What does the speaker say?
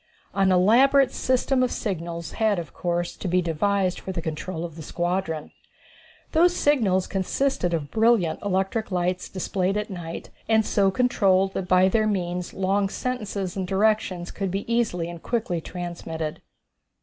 An elaborate system of signals had, of course, to be devised for the control of the squadron. These signals consisted of brilliant electric lights displayed at night and so controlled that by their means long sentences and directions could be easily and quickly transmitted.